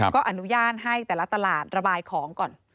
ก็อนุญาตให้แต่ละตลาดระบายของก่อน